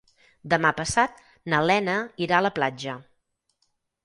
Demà passat na Lena irà a la platja.